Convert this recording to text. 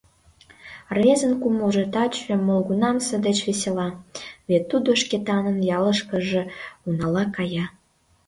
Рвезын кумылжо таче молгунамсе деч весела, вет тудо Шкетанын ялышкыже унала кая.